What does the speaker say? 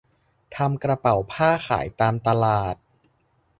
ทำกระเป๋าผ้าขายตามตลาด